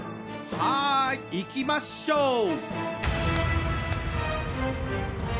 はい！いきましょう！